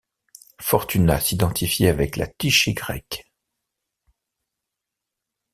Fortuna s'identifiait avec la Tyché grecque.